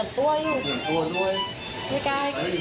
เธอไม่ได้เหรอ